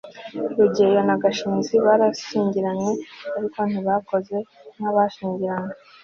rugeyo na gashinzi barashyingiranywe, ariko ntibakora nk'abashyingiranywe